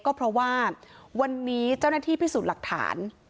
ก็เพราะว่าวันนี้เจ้าหน้าที่พิสูจน์หลักฐาน